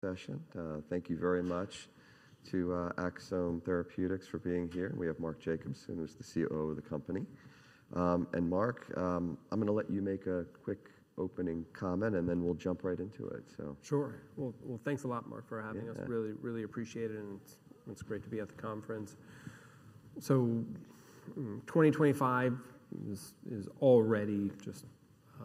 Session. Thank you very much to Axsome Therapeutics for being here. We have Mark Jacobson, who's the COO of the company. Mark, I'm going to let you make a quick opening comment, and then we'll jump right into it. Sure. Thanks a lot, Mark, for having us. Really, really appreciate it. It is great to be at the conference. 2025 is already just a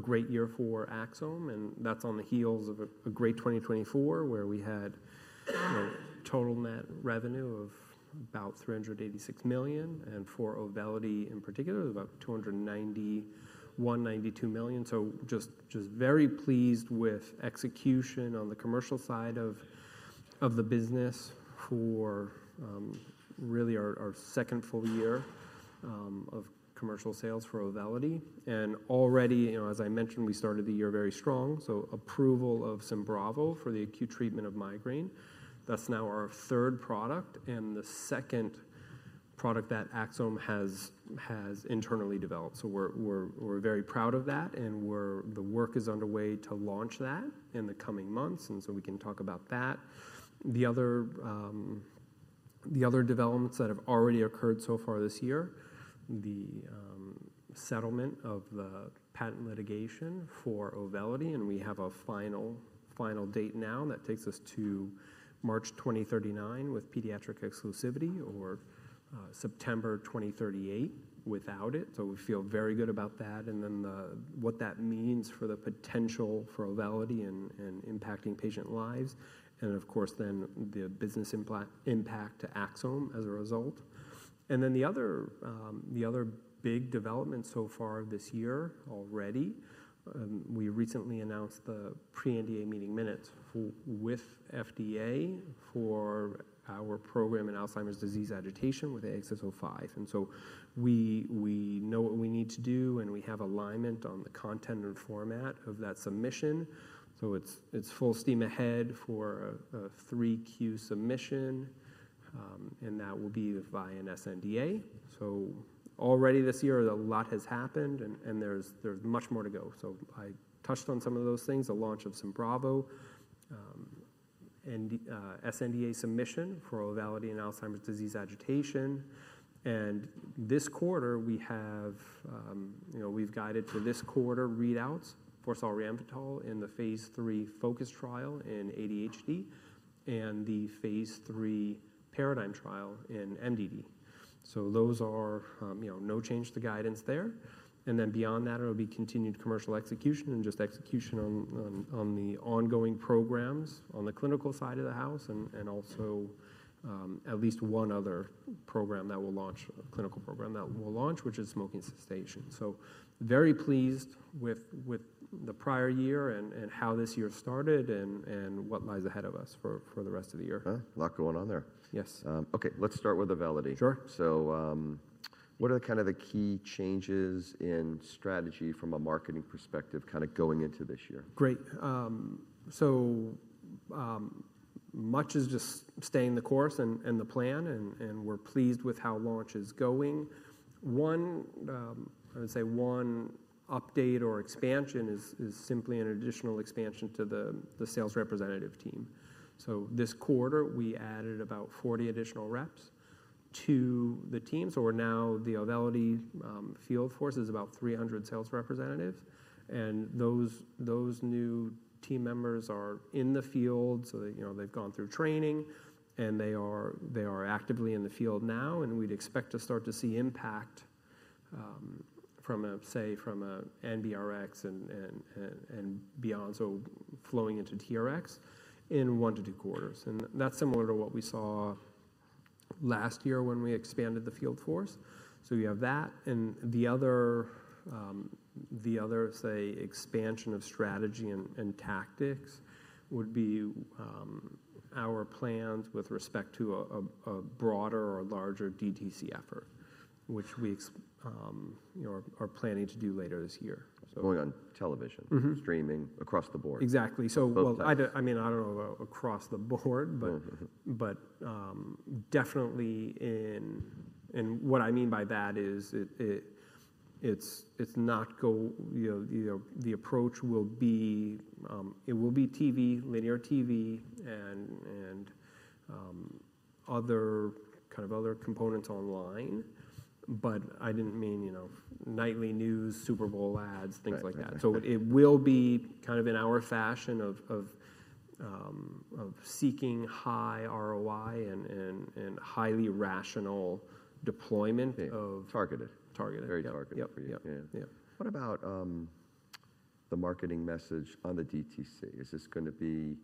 great year for Axsome, and that is on the heels of a great 2024 where we had total net revenue of about $386 million, and for Auvelity in particular, about $291-$292 million. Just very pleased with execution on the commercial side of the business for really our second full year of commercial sales for Auvelity. Already, as I mentioned, we started the year very strong. Approval of Symbravo for the acute treatment of migraine. That is now our third product and the second product that Axsome has internally developed. We are very proud of that, and the work is underway to launch that in the coming months, and we can talk about that. The other developments that have already occurred so far this year, the settlement of the patent litigation for Auvelity, and we have a final date now that takes us to March 2039 with pediatric exclusivity, or September 2038 without it. We feel very good about that, and then what that means for the potential for Auvelity and impacting patient lives, and of course then the business impact to Axsome as a result. The other big development so far this year already, we recently announced the pre-NDA meeting minutes with FDA for our program in Alzheimer's disease agitation with AXS-05. We know what we need to do, and we have alignment on the content and format of that submission. It's full steam ahead for a 3Q submission, and that will be via an sNDA. Already this year, a lot has happened, and there's much more to go. I touched on some of those things, the launch of Symbravo, sNDA submission for Auvelity in Alzheimer's disease agitation. This quarter, we've guided for this quarter readouts for solriamfetol in the phase III FOCUS trial in ADHD and the phase III PARADIGM trial in MDD. Those are no change to the guidance there. Beyond that, it'll be continued commercial execution and just execution on the ongoing programs on the clinical side of the house, and also at least one other program that will launch, a clinical program that will launch, which is smoking cessation. Very pleased with the prior year and how this year started and what lies ahead of us for the rest of the year. A lot going on there. Yes. Okay, let's start with Auvelity. Sure. What are kind of the key changes in strategy from a marketing perspective kind of going into this year? Great. So much is just staying the course and the plan, and we're pleased with how launch is going. I would say one update or expansion is simply an additional expansion to the sales representative team. This quarter, we added about 40 additional reps to the team. Now the Auvelity field force is about 300 sales representatives, and those new team members are in the field. They've gone through training, and they are actively in the field now, and we'd expect to start to see impact from, say, from an NBRx and beyond, so flowing into TRx in one to two quarters. That's similar to what we saw last year when we expanded the field force. You have that, and the other, say, expansion of strategy and tactics would be our plans with respect to a broader or larger DTC effort, which we are planning to do later this year. Going on television, streaming across the board. Exactly. I mean, I don't know about across the board, but definitely in what I mean by that is it's not the approach will be it will be TV, linear TV, and kind of other components online, but I didn't mean nightly news, Super Bowl ads, things like that. It will be kind of in our fashion of seeking high ROI and highly rational deployment of. Targeted. Targeted. Very targeted for you. Yeah. What about the marketing message on the DTC? Is this going to be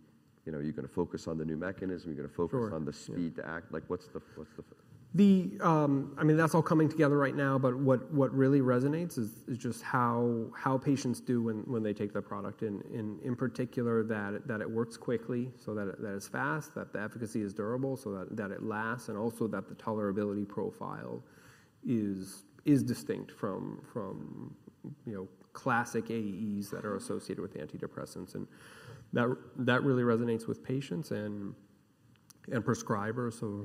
you're going to focus on the new mechanism, you're going to focus on the speed to act? What's the? I mean, that's all coming together right now, but what really resonates is just how patients do when they take the product, in particular that it works quickly, so that it's fast, that the efficacy is durable, so that it lasts, and also that the tolerability profile is distinct from classic AEs that are associated with antidepressants. That really resonates with patients and prescribers.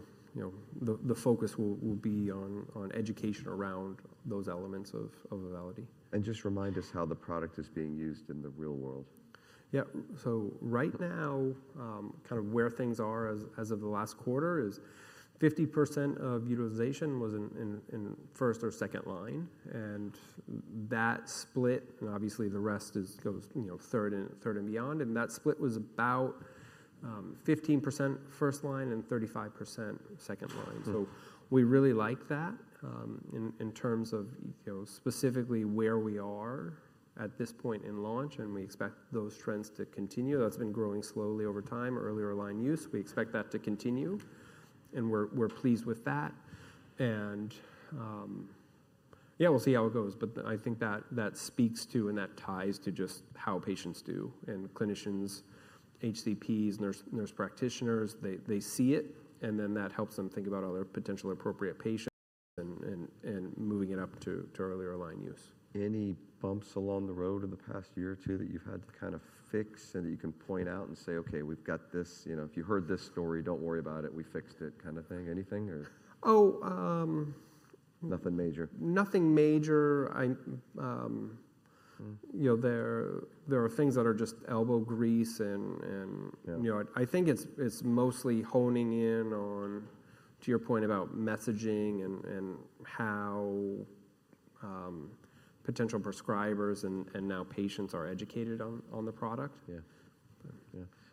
The focus will be on education around those elements of Auvelity. Just remind us how the product is being used in the real world. Yeah. Right now, kind of where things are as of the last quarter is 50% of utilization was in first or second line, and that split, and obviously the rest goes third and beyond, and that split was about 15% first line and 35% second line. We really like that in terms of specifically where we are at this point in launch, and we expect those trends to continue. That has been growing slowly over time, earlier line use. We expect that to continue, and we're pleased with that. Yeah, we'll see how it goes, but I think that speaks to and that ties to just how patients do and clinicians, HCPs, nurse practitioners, they see it, and then that helps them think about other potential appropriate patients and moving it up to earlier line use. Any bumps along the road in the past year or two that you've had to kind of fix and that you can point out and say, "Okay, we've got this. If you heard this story, don't worry about it, we fixed it," kind of thing? Anything? Oh. Nothing major. Nothing major. There are things that are just elbow grease, and I think it's mostly honing in on, to your point, about messaging and how potential prescribers and now patients are educated on the product.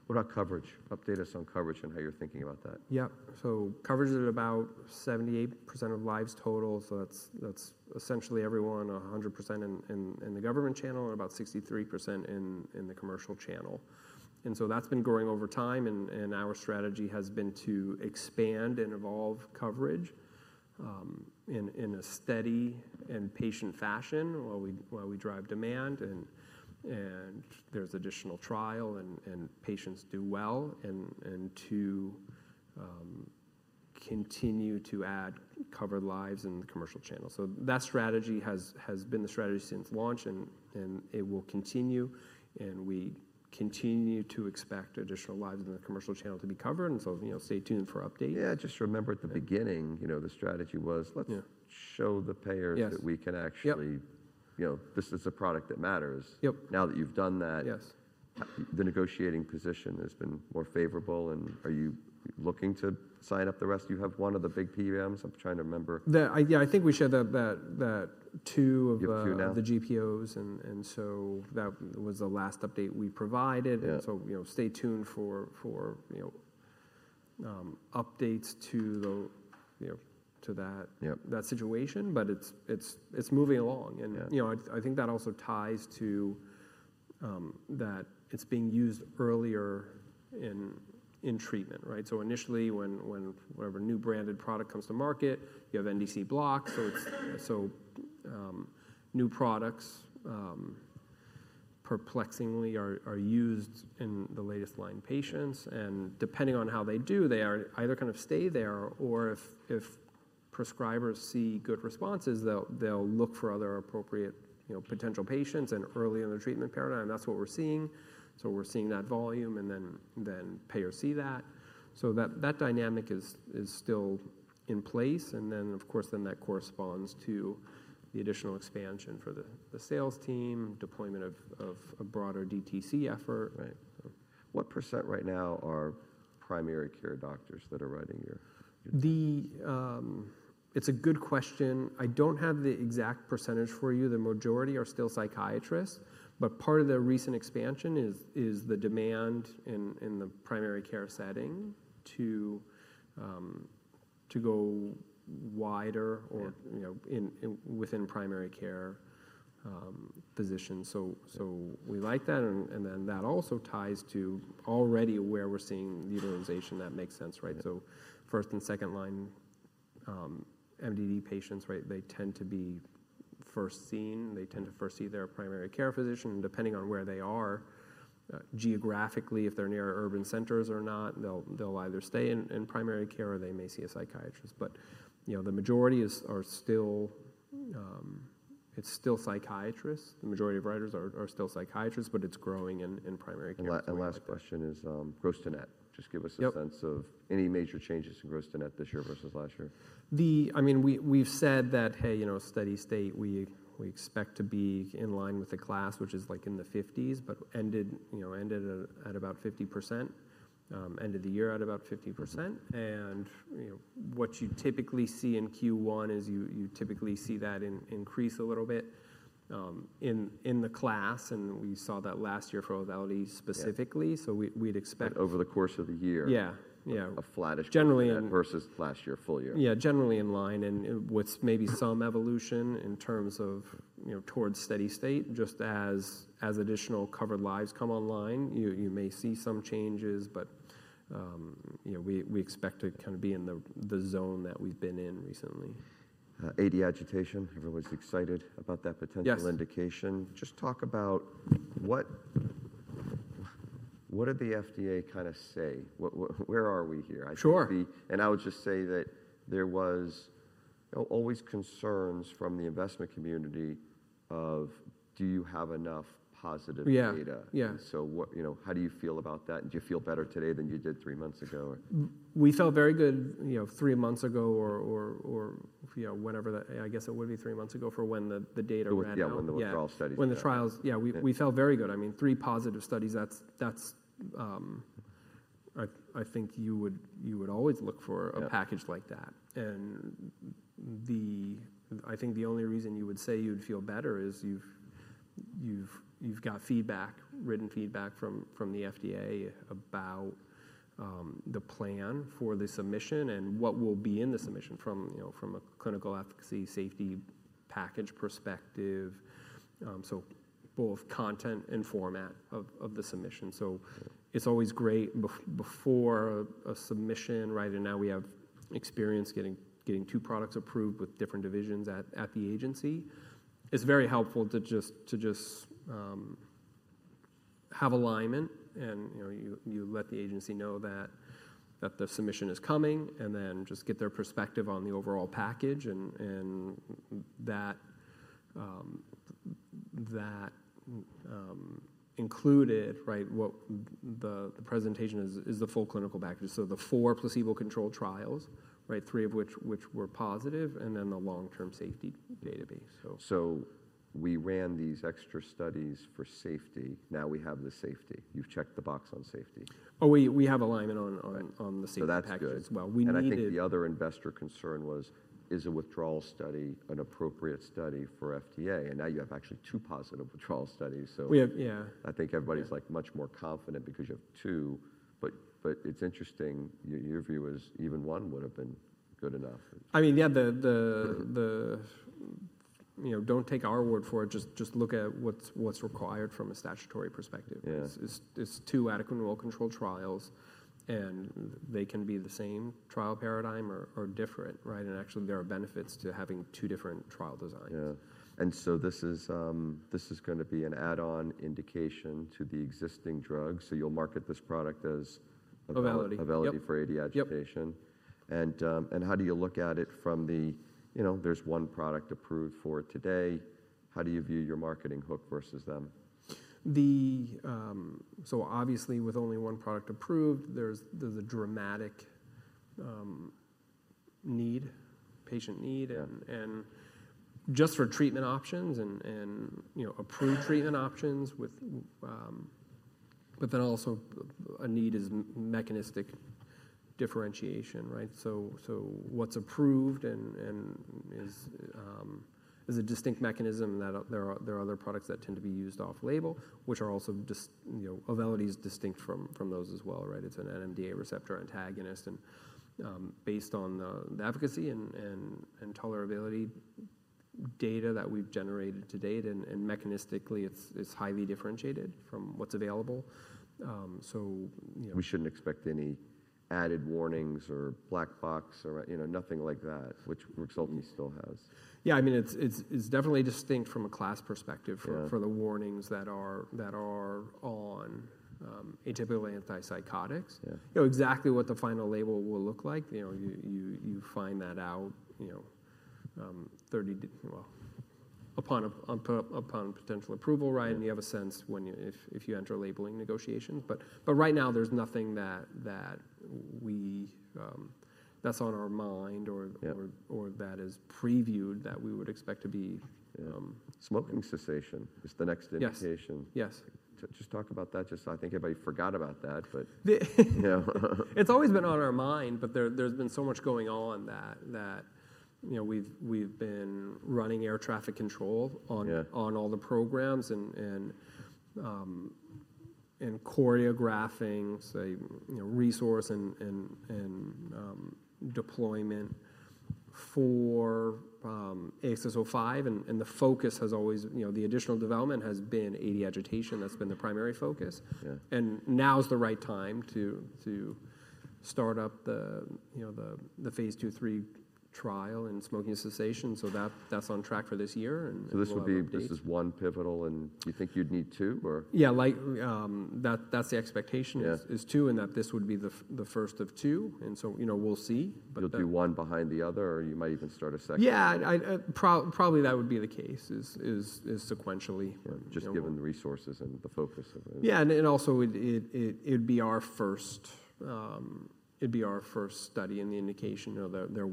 Yeah. What about coverage? Update us on coverage and how you're thinking about that. Coverage is about 78% of lives total, so that's essentially everyone, 100% in the government channel and about 63% in the commercial channel. That has been growing over time, and our strategy has been to expand and evolve coverage in a steady and patient fashion while we drive demand and there is additional trial and patients do well and to continue to add covered lives in the commercial channel. That strategy has been the strategy since launch, and it will continue, and we continue to expect additional lives in the commercial channel to be covered. Stay tuned for updates. Yeah. Just remember at the beginning, the strategy was, "Let's show the payers that we can actually, this is a product that matters." Now that you've done that, the negotiating position has been more favorable, and are you looking to sign up the rest? You have one of the big PBMs. I'm trying to remember. Yeah. I think we shared that to two of the GPOs, and that was the last update we provided. Stay tuned for updates to that situation, but it's moving along. I think that also ties to that it's being used earlier in treatment, right? Initially, when whatever new branded product comes to market, you have NDC blocks. New products perplexingly are used in the latest line patients, and depending on how they do, they either kind of stay there or if prescribers see good responses, they'll look for other appropriate potential patients and early in the treatment paradigm. That's what we're seeing. We're seeing that volume and then payers see that. That dynamic is still in place, and of course that corresponds to the additional expansion for the sales team, deployment of a broader DTC effort. What percent right now are primary care doctors that are writing your? It's a good question. I don't have the exact % for you. The majority are still psychiatrists, but part of the recent expansion is the demand in the primary care setting to go wider within primary care positions. We like that, and that also ties to already where we're seeing utilization that makes sense, right? First and second line MDD patients, right? They tend to be first seen. They tend to first see their primary care physician, and depending on where they are geographically, if they're near urban centers or not, they'll either stay in primary care or they may see a psychiatrist. The majority are still psychiatrists. The majority of writers are still psychiatrists, but it's growing in primary care. Last question is gross to net. Just give us a sense of any major changes in gross to net this year versus last year. I mean, we've said that, hey, steady state, we expect to be in line with the class, which is like in the 50s, but ended at about 50%, ended the year at about 50%. What you typically see in Q1 is you typically see that increase a little bit in the class, and we saw that last year for Auvelity specifically. We'd expect. Over the course of the year. Yeah. Yeah. A flattish % versus last year, full year. Yeah. Generally in line and with maybe some evolution in terms of towards steady state. Just as additional covered lives come online, you may see some changes, but we expect to kind of be in the zone that we've been in recently. AD agitation. Everyone's excited about that potential indication. Just talk about what does the FDA kind of say? Where are we here? Sure. I would just say that there was always concerns from the investment community of, do you have enough positive data? Yeah. Yeah. How do you feel about that? Do you feel better today than you did three months ago? We felt very good three months ago or whenever, I guess it would be three months ago, for when the data ran out. When the trial studies ran out. When the trials, yeah. We felt very good. I mean, three positive studies, that's I think you would always look for a package like that. I think the only reason you would say you'd feel better is you've got feedback, written feedback from the FDA about the plan for the submission and what will be in the submission from a clinical efficacy safety package perspective. Both content and format of the submission. It's always great before a submission, right? Now we have experience getting two products approved with different divisions at the agency. It's very helpful to just have alignment and you let the agency know that the submission is coming and then just get their perspective on the overall package and that included, right, the presentation is the full clinical package. The four placebo-controlled trials, right, three of which were positive, and then the long-term safety database. We ran these extra studies for safety. Now we have the safety. You've checked the box on safety. Oh, we have alignment on the safety package as well. I think the other investor concern was, is a withdrawal study an appropriate study for FDA? Now you have actually two positive withdrawal studies. We have, yeah. I think everybody's like much more confident because you have two, but it's interesting your view is even one would have been good enough. I mean, yeah, don't take our word for it. Just look at what's required from a statutory perspective. It's two adequate and well-controlled trials, and they can be the same trial paradigm or different, right? Actually, there are benefits to having two different trial designs. Yeah. This is going to be an add-on indication to the existing drug. You will market this product as. Auvelity. Auvelity for AD agitation. How do you look at it from the there's one product approved for today? How do you view your marketing hook versus them? Obviously, with only one product approved, there's a dramatic need, patient need, and just for treatment options and approved treatment options, but then also a need is mechanistic differentiation, right? What's approved is a distinct mechanism that there are other products that tend to be used off-label, which are also Auvelity's distinct from those as well, right? It's an NMDA receptor antagonist, and based on the efficacy and tolerability data that we've generated to date, and mechanistically, it's highly differentiated from what's available. We shouldn't expect any added warnings or black box or nothing like that, which Auvelity still has. Yeah. I mean, it's definitely distinct from a class perspective for the warnings that are on atypical antipsychotics. Exactly what the final label will look like, you find that out upon potential approval, right? You have a sense if you enter labeling negotiations. Right now, there's nothing that's on our mind or that is previewed that we would expect to be. Smoking cessation is the next indication. Yes. Just talk about that. I think everybody forgot about that, but. It's always been on our mind, but there's been so much going on that we've been running air traffic control on all the programs and choreographing, say, resource and deployment for AXS-05, and the focus has always the additional development has been AD agitation. That's been the primary focus. Now's the right time to start up the phase II, phase III trial in smoking cessation. That's on track for this year. Is this one pivotal, and you think you'd need two, or? Yeah. That's the expectation is two and that this would be the first of two. We'll see. You'll do one behind the other, or you might even start a second. Yeah. Probably that would be the case sequentially. Just given the resources and the focus. Yeah. It'd be our first study in the indication. There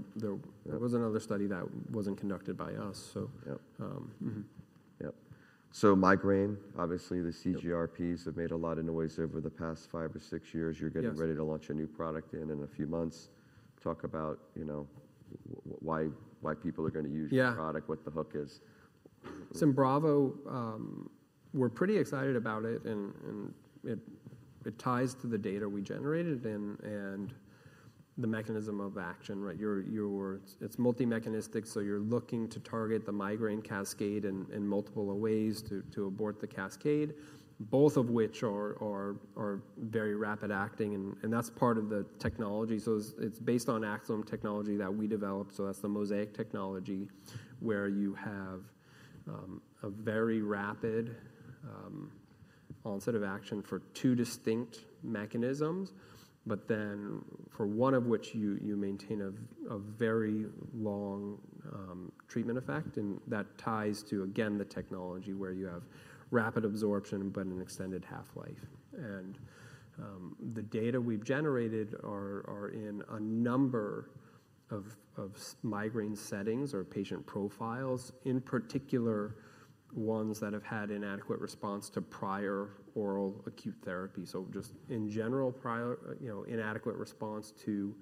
was another study that wasn't conducted by us, so. Yep. Migraine, obviously, the CGRPs have made a lot of noise over the past five or six years. You're getting ready to launch a new product in a few months. Talk about why people are going to use your product, what the hook is. Symbravo, we're pretty excited about it, and it ties to the data we generated and the mechanism of action, right? It's multi-mechanistic, so you're looking to target the migraine cascade in multiple ways to abort the cascade, both of which are very rapid acting, and that's part of the technology. It's based on Axsome technology that we developed. That's the MoSEIC technology where you have a very rapid onset of action for two distinct mechanisms, but then for one of which you maintain a very long treatment effect, and that ties to, again, the technology where you have rapid absorption, but an extended half-life. The data we've generated are in a number of migraine settings or patient profiles, in particular ones that have had inadequate response to prior oral acute therapy. Just in general, inadequate response to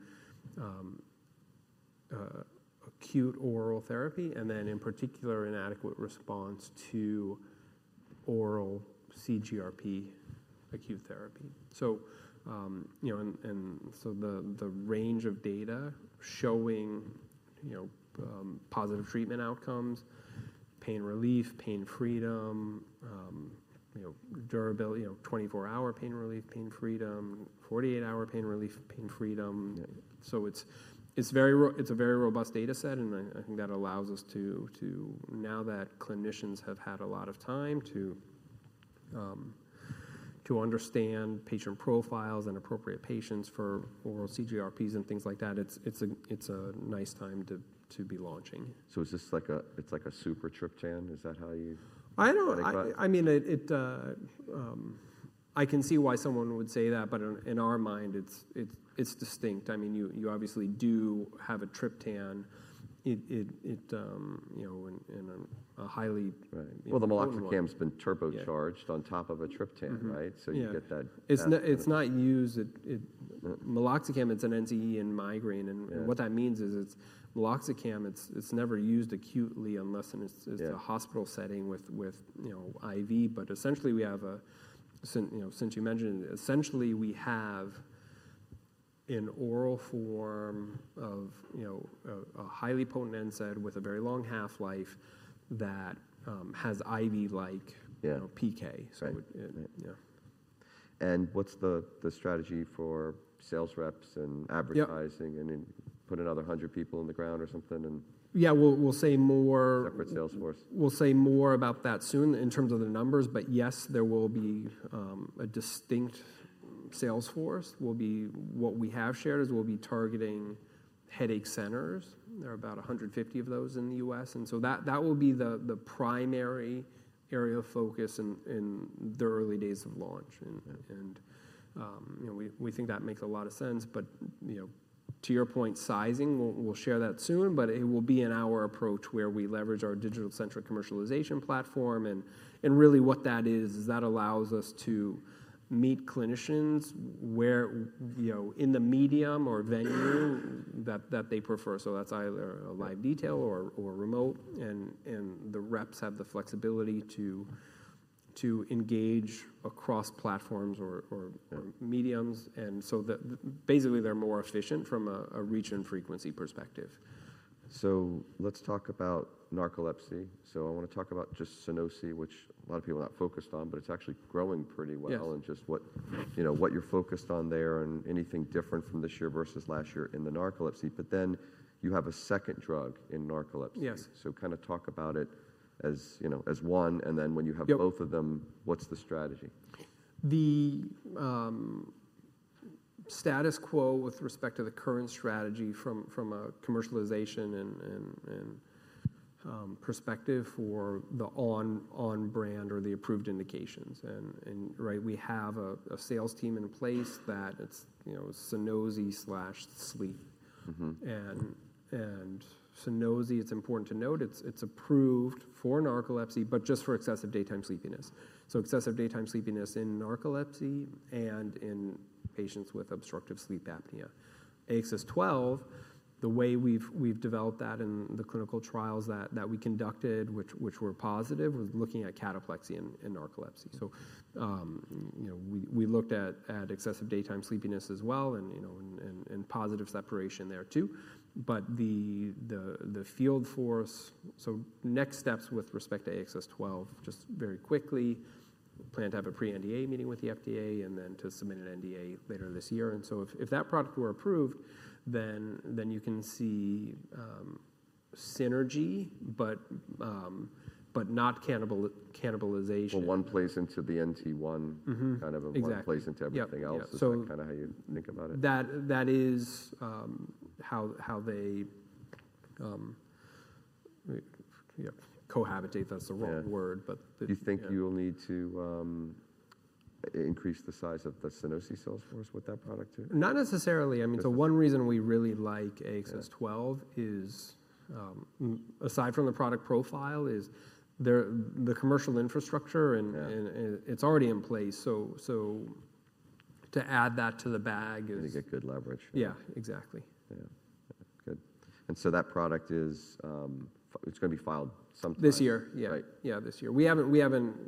acute oral therapy and then in particular, inadequate response to oral CGRP acute therapy. The range of data showing positive treatment outcomes, pain relief, pain freedom, durability, 24-hour pain relief, pain freedom, 48-hour pain relief, pain freedom. It is a very robust data set, and I think that allows us to, now that clinicians have had a lot of time to understand patient profiles and appropriate patients for oral CGRPs and things like that, it is a nice time to be launching. It's like a super triptan. Is that how you? I don't know. I mean, I can see why someone would say that, but in our mind, it's distinct. I mean, you obviously do have a triptan in a highly. The meloxicam's been turbocharged on top of a triptan, right? So you get that. It's not used. Meloxicam, it's an NCE in migraine. What that means is it's meloxicam, it's never used acutely unless it's a hospital setting with IV, but essentially we have a, since you mentioned, essentially we have an oral form of a highly potent NSAID with a very long half-life that has IV-like PK. What's the strategy for sales reps and advertising and put another hundred people in the ground or something? Yeah. We'll say more. Separate sales force. We'll say more about that soon in terms of the numbers, but yes, there will be a distinct sales force. What we have shared is we'll be targeting headache centers. There are about 150 of those in the U.S., and that will be the primary area of focus in the early days of launch. We think that makes a lot of sense. To your point, sizing, we'll share that soon, but it will be in our approach where we leverage our digital-centric commercialization platform. What that is, is that allows us to meet clinicians in the medium or venue that they prefer. That's either a live detail or remote, and the reps have the flexibility to engage across platforms or mediums. Basically, they're more efficient from a reach and frequency perspective. Let's talk about narcolepsy. I want to talk about just Sunosi, which a lot of people are not focused on, but it's actually growing pretty well and just what you're focused on there and anything different from this year versus last year in the narcolepsy. You have a second drug in narcolepsy. Kind of talk about it as one, and then when you have both of them, what's the strategy? The status quo with respect to the current strategy from a commercialization perspective for the on-brand or the approved indications. We have a sales team in place that is Sunosi slash Sleep. Sunosi, it's important to note, is approved for narcolepsy, but just for excessive daytime sleepiness. Excessive daytime sleepiness in narcolepsy and in patients with obstructive sleep apnea. AXS-12, the way we've developed that in the clinical trials that we conducted, which were positive, was looking at cataplexy in narcolepsy. We looked at excessive daytime sleepiness as well and positive separation there too. The field force, next steps with respect to AXS-12, just very quickly, plan to have a pre-NDA meeting with the FDA and then to submit an NDA later this year. If that product were approved, then you can see synergy, but not cannibalization. One plays into the NT1, kind of one plays into everything else. Is that kind of how you think about it? That is how they cohabitate. That's the wrong word, but. Do you think you'll need to increase the size of the Sunosi sales force with that product too? Not necessarily. I mean, so one reason we really like AXS-12, aside from the product profile, is the commercial infrastructure and it's already in place. To add that to the bag is. You're going to get good leverage. Yeah, exactly. Yeah. Good. That product is going to be filed sometime. This year. Yeah. Yeah, this year. We haven't.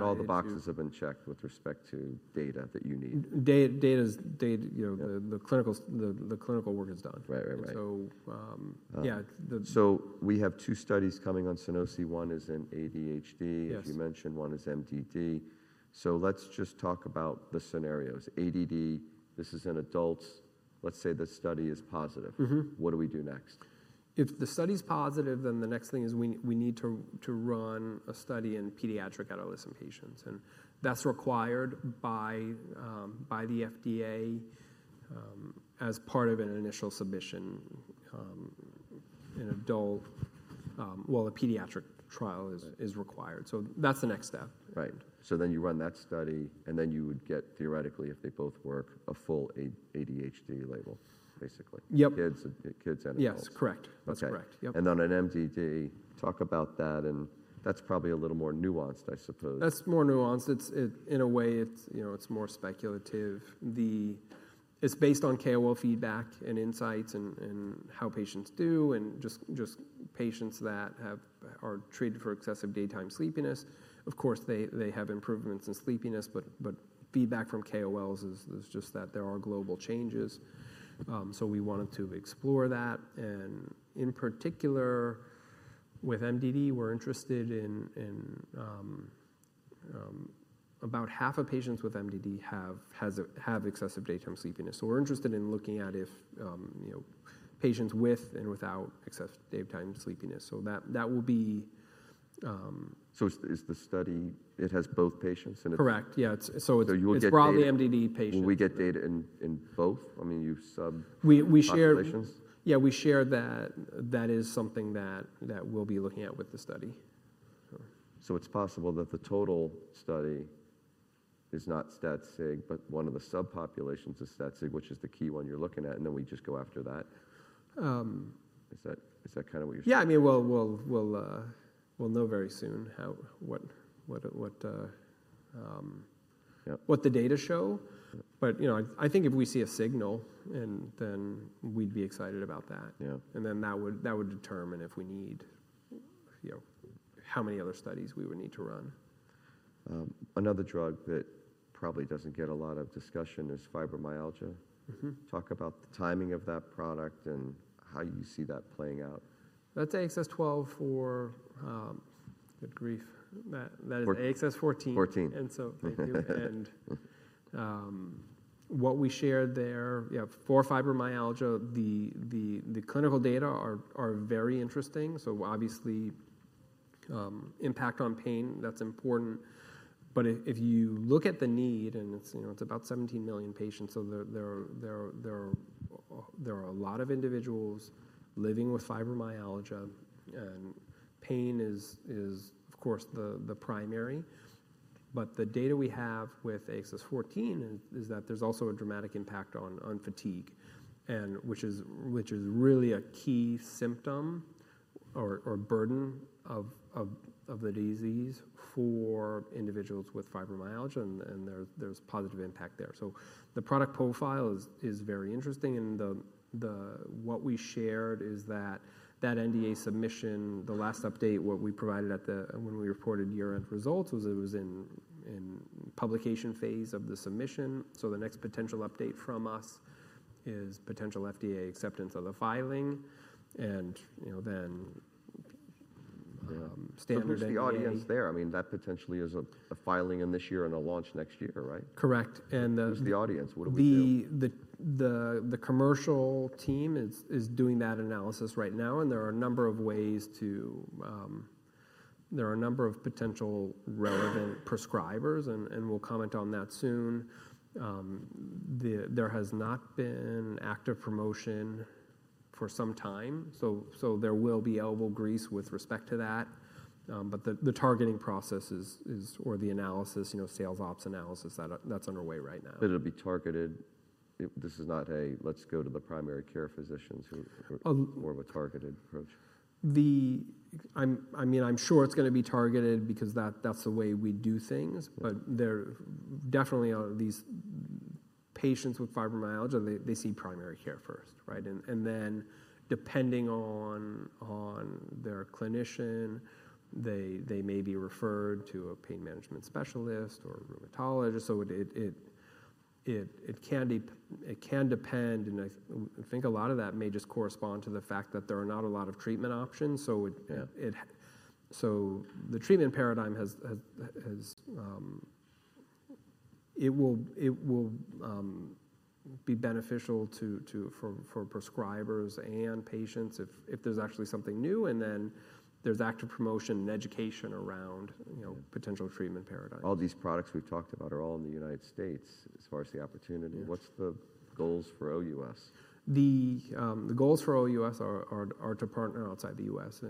All the boxes have been checked with respect to data that you need. The clinical work is done. Yeah. We have two studies coming on Sunosi. One is in ADHD, as you mentioned. One is MDD. Let's just talk about the scenarios. ADHD, this is an adult. Let's say the study is positive. What do we do next? If the study's positive, then the next thing is we need to run a study in pediatric adolescent patients. That's required by the FDA as part of an initial submission in adult. A pediatric trial is required. That's the next step. Right. So then you run that study, and then you would get, theoretically, if they both work, a full ADHD label, basically. Kids, an adult. Yes. Correct. That's correct. Yep. In MDD. Talk about that. That is probably a little more nuanced, I suppose. That's more nuanced. In a way, it's more speculative. It's based on KOL feedback and insights and how patients do and just patients that are treated for excessive daytime sleepiness. Of course, they have improvements in sleepiness, but feedback from KOLs is just that there are global changes. We wanted to explore that. In particular, with MDD, we're interested in about half of patients with MDD have excessive daytime sleepiness. We're interested in looking at patients with and without excessive daytime sleepiness. That will be. It has both patients and it's. Correct. Yeah. So it's broadly MDD patients. We get data in both. I mean, you sub. We share. Populations. Yeah. We share that. That is something that we'll be looking at with the study. It's possible that the total study is not stat sig, but one of the subpopulations is stat sig, which is the key one you're looking at, and then we just go after that. Is that kind of what you're saying? Yeah. I mean, we'll know very soon what the data show. I think if we see a signal, then we'd be excited about that. That would determine if we need how many other studies we would need to run. Another drug that probably doesn't get a lot of discussion is fibromyalgia. Talk about the timing of that product and how you see that playing out. That's AXS-12 for, good grief. That is AXS-14. 14. What we shared there, yeah, for fibromyalgia, the clinical data are very interesting. Obviously, impact on pain, that's important. If you look at the need, and it's about 17 million patients, there are a lot of individuals living with fibromyalgia, and pain is, of course, the primary. The data we have with AXS-14 is that there's also a dramatic impact on fatigue, which is really a key symptom or burden of the disease for individuals with fibromyalgia, and there's positive impact there. The product profile is very interesting. What we shared is that that NDA submission, the last update, what we provided when we reported year-end results was it was in publication phase of the submission. The next potential update from us is potential FDA acceptance of the filing, and then standard standards. Who's the audience there? I mean, that potentially is a filing in this year and a launch next year, right? Correct. Who's the audience? What do we do? The commercial team is doing that analysis right now, and there are a number of ways to, there are a number of potential relevant prescribers, and we'll comment on that soon. There has not been active promotion for some time. There will be elbow grease with respect to that, but the targeting process or the analysis, sales ops analysis, that's underway right now. It'll be targeted. This is not, "Hey, let's go to the primary care physicians." More of a targeted approach. I mean, I'm sure it's going to be targeted because that's the way we do things, but definitely these patients with fibromyalgia, they see primary care first, right? Then depending on their clinician, they may be referred to a pain management specialist or a rheumatologist. It can depend, and I think a lot of that may just correspond to the fact that there are not a lot of treatment options. The treatment paradigm as it will be beneficial for prescribers and patients if there's actually something new, and then there's active promotion and education around potential treatment paradigm. All these products we've talked about are all in the United States as far as the opportunity. What's the goals for OUS? The goals for OUS are to partner outside the U.S.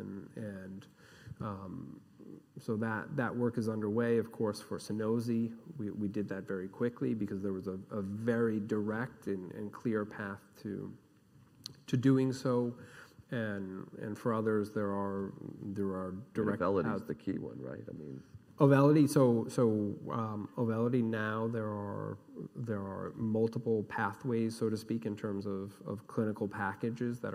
That work is underway, of course, for Sunosi. We did that very quickly because there was a very direct and clear path to doing so. For others, there are direct. Auvelity is the key one, right? I mean. Auvelity. Auvelity, now there are multiple pathways, so to speak, in terms of clinical packages that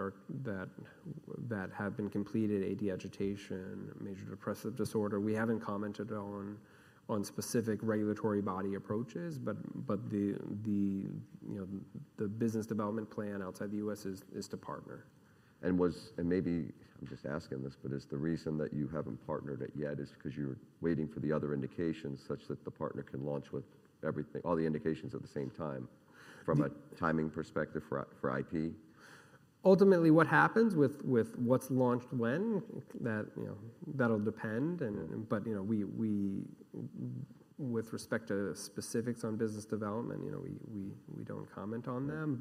have been completed: AD agitation, major depressive disorder. We haven't commented on specific regulatory body approaches, but the business development plan outside the U.S. is to partner. Maybe I'm just asking this, but is the reason that you haven't partnered it yet because you're waiting for the other indications such that the partner can launch with all the indications at the same time from a timing perspective for IP? Ultimately, what happens with what's launched when, that'll depend. With respect to specifics on business development, we don't comment on them.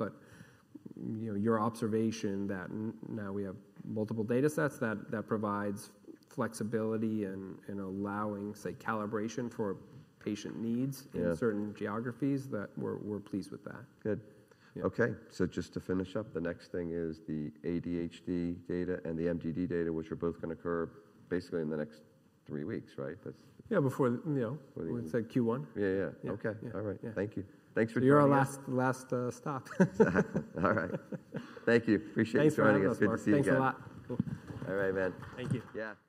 Your observation that now we have multiple data sets that provides flexibility and allowing, say, calibration for patient needs in certain geographies, we're pleased with that. Good. Okay. Just to finish up, the next thing is the ADHD data and the MDD data, which are both going to occur basically in the next three weeks, right? Yeah. Before the, what's that, Q1? Yeah. Yeah. Okay. All right. Thank you. Thanks for joining us. You're our last stop. Exactly. All right. Thank you. Appreciate you joining us. Good to see you guys. Thanks a lot. All right, man. Thank you. Yeah.